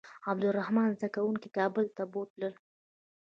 عبدالرحمن زده کوونکي کابل ته بوتلل.